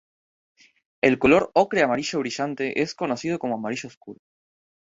El color ocre amarillo brillante es conocido como "amarillo oscuro".